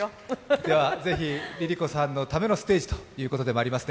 ではぜひ、ＬｉＬｉＣｏさんのためのステージでもありますね。